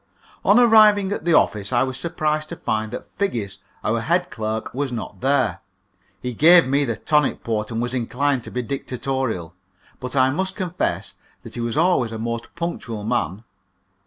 On arriving at the office I was surprised to find that Figgis, our head clerk, was not there. He gave me the tonic port, and was inclined to be dictatorial, but I must confess that he was always a most punctual man.